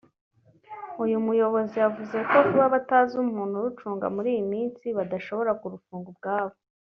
uyu muyobozi yavuze ko kuba batazi umuntu urucunga muri iyi minsi (administrateur) badashobora kurufunga ubwabo